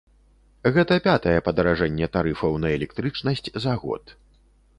Гэта пятае падаражэнне тарыфаў на электрычнасць за год.